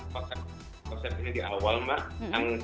pada saat konser ini di awal mbak